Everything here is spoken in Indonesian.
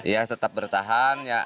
iya tetap bertahan